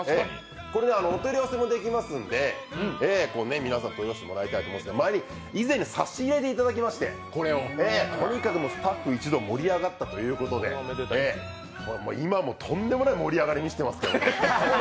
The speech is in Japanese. これお取り寄せもできますので皆さん取り寄せてもらいたいと思うんですけど以前差し入れでいただきまして、とにかくスタッフ一同盛り上がったということで、今もとんでもない盛り上がり見せていますから。